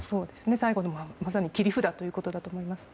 最後の切り札ということだと思います。